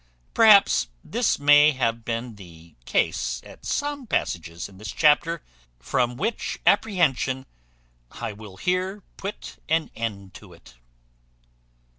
Perhaps this may have been the case at some passages in this chapter, from which apprehension I will here put an end to it.